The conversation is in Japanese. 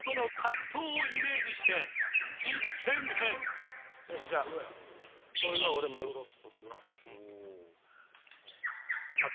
今度はじゃあこれがマグロとするな。